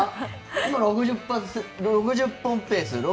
今６０本ペース。